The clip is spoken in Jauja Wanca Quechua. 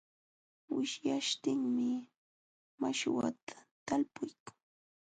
Wishyaśhtinmi mashwata talpuykan.